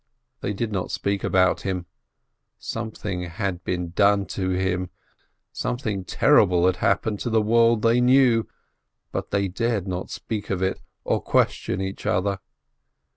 They did not speak about him. Something had been done to him; something had happened. Something terrible had happened to the world they knew. But they dared not speak of it or question each other.